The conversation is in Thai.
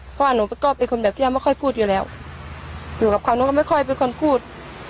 เพราะว่าหนูก็เป็นคนแบบที่ว่าไม่ค่อยพูดอยู่แล้วหนูกับเขาหนูก็ไม่ค่อยเป็นคนพูด